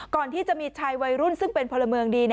ก่อนที่จะมีชายวัยรุ่นซึ่งเป็นพลเมืองดี